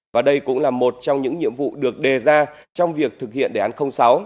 và đây cũng là một trong những nhiệm vụ được đề ra trong việc thực hiện đề án sáu